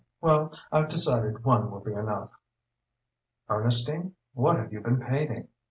Well I've decided one will be enough." "Ernestine, what have you been painting?